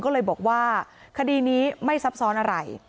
ก็เลยบอกว่าคดีนี้ไม่ซับซ้อนอะไร